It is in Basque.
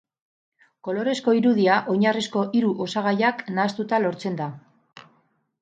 Kolorezko irudia oinarrizko hiru osagaiak nahastuta lortzen da.